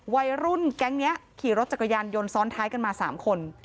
วัยรุ่นแก๊งนี้ขี่รถจักรยานยนต์ซ้อนท้ายกันมา๓คน